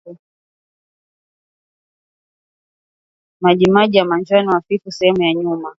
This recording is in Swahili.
Majimaji ya manjano hafifu karibu na moyo sehemu ya kifuani na sehemu ya nyuma